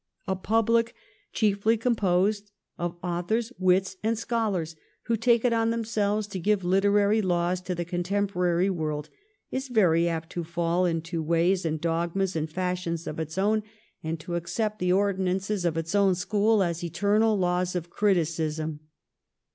A public chiefly composed of authors, wits, and scholars who take it on themselves to give literary laws to the contemporary world is very apt to fall into ways and dogmas and fashions of its own, and to 1712 ^14 FASHIONS IN POETRY. 251 accept the ordinances of its own school as eternal laws of criticism.